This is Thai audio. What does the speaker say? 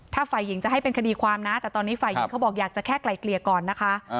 ถ้าฝ่ายหญิงจะให้เป็นคดีความนะแต่ตอนนี้ฝ่ายหญิงเขาบอกอยากจะแค่ไกลเกลี่ยก่อนนะคะ